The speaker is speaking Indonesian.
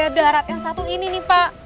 darat yang satu ini nih pak